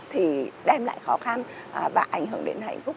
thì đem lại khó khăn và ảnh hưởng đến hạnh phúc